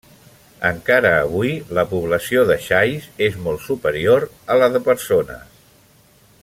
Encara avui, la població de xais és molt superior a la de persones.